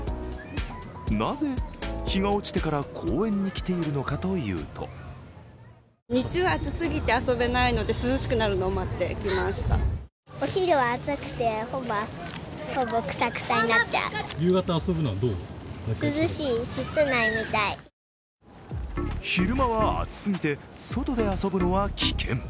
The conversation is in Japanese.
なぜ、日が落ちてから公園に来ているのかというと昼間は暑すぎて外で遊ぶのは危険。